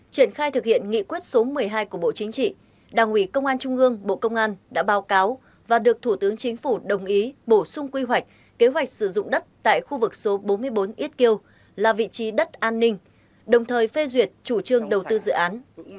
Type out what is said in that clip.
triển khai thực hiện nghị quyết số một mươi hai của bộ chính trị đảng ủy công an trung ương bộ công an đã báo cáo và được thủ tướng chính phủ đồng ý bổ sung quy hoạch kế hoạch sử dụng đất tại khu vực số bốn mươi bốn yết kiêu là vị trí đất an ninh đồng thời phê duyệt chủ trương đầu tư dự án